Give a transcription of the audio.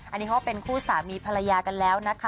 อันนี้เขาเป็นคู่สามีภรรยากันแล้วนะคะ